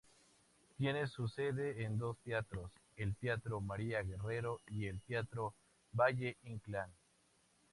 Tiene su sede en dos teatros: el Teatro María Guerrero y el Teatro Valle-Inclán.